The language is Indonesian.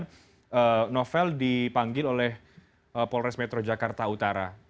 kemudian novel dipanggil oleh polres metro jakarta utara